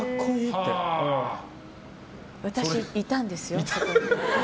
私、いたんですよ。